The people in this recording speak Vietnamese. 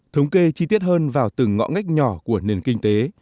thống kê chi tiết hơn vào từng ngõ ngách nhỏ của nền kinh tế